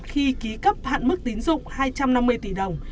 khi ký cấp hạn mức tín dụng hai trăm linh tỷ đồng